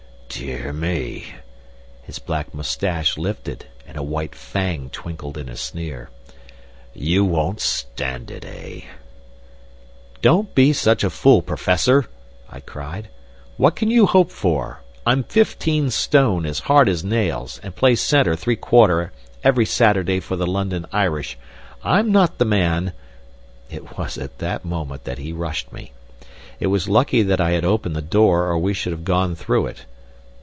"Dear me!" His black moustache lifted and a white fang twinkled in a sneer. "You won't stand it, eh?" "Don't be such a fool, Professor!" I cried. "What can you hope for? I'm fifteen stone, as hard as nails, and play center three quarter every Saturday for the London Irish. I'm not the man " It was at that moment that he rushed me. It was lucky that I had opened the door, or we should have gone through it.